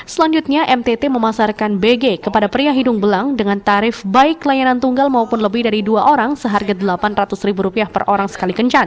selanjutnya mtt memasarkan bg kepada pria hidung belang dengan tarif baik layanan tunggal maupun lebih dari dua orang seharga rp delapan ratus ribu rupiah per orang sekali kencan